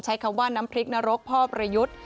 ใช้คำว่าน้ำพริกนรกพ่อประยุทธ์